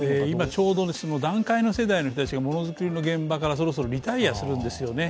ちょうど団塊の世代の人たちが物作りの現場からそろそろリタイアするんですよね。